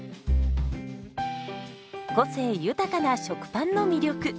個性豊かな食パンの魅力。